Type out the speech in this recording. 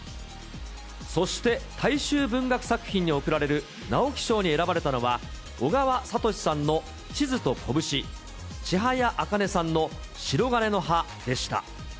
そして大衆文学作品に贈られる直木賞に選ばれたのは、小川哲さんの地図と拳、千早茜さんのしろがねの葉でした。